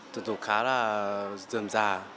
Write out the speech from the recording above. thủ tục khá là